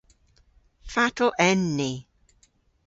Fatel en ni?